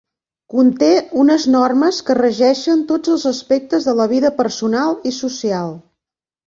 Conté unes normes que regeixen tots els aspectes de la vida personal i social.